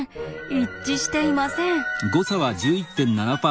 一致していません。